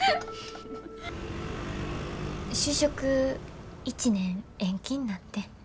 就職１年延期になってん。